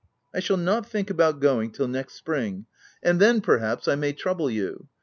I shall not think about going till next spring ; and then, perhaps, I may trouble you.